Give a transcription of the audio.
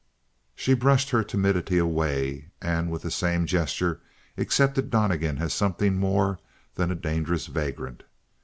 She brushed her timidity away and with the same gesture accepted Donnegan as something more than a dangerous vagrant.